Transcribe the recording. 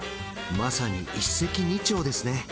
まさに一石二鳥ですね